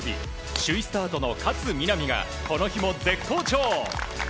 首位スタートの勝みなみがこの日も絶好調。